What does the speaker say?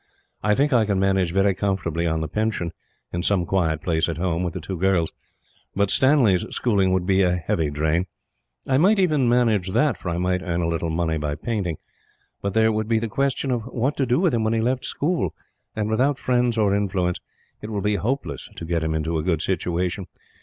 I think I can manage very comfortably on the pension, in some quiet place at home, with the two girls; but Stanley's schooling would be a heavy drain. I might even manage that, for I might earn a little money by painting; but there would be the question of what to do with him when he left school and, without friends or influence, it will be hopeless to get him into any good situation.